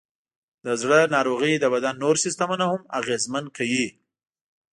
د زړه ناروغۍ د بدن نور سیستمونه هم اغېزمن کوي.